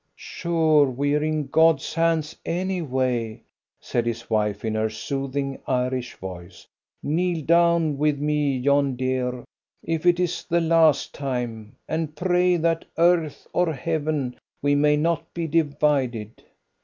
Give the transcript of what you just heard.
"Sure we're in God's hands, anyway," said his wife, in her soothing, Irish voice. "Kneel down with me, John, dear, if it's the last time, and pray that, earth or heaven, we may not be divided."